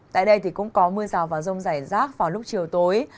tại đây thì cũng có mưa rào và rông rải rác vào lúc chiều tối